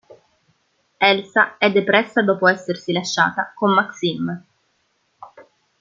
Elsa è depressa dopo essersi lasciata con Maxime.